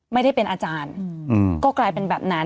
ไม่ได้เป็นอาจารย์ก็กลายเป็นแบบนั้น